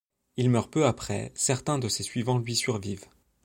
Il meurt peu après, certains de ses suivants lui survivent.